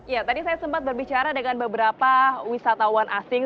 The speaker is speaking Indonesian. ya tadi saya sempat berbicara dengan beberapa wisatawan asing